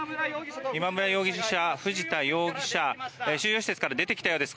今村容疑者、藤田容疑者収容施設から出てきたようです。